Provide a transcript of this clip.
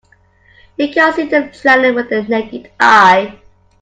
You can't see the planet with the naked eye.